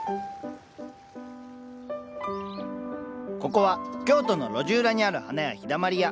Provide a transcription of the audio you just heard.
ここは京都の路地裏にある花屋「陽だまり屋」。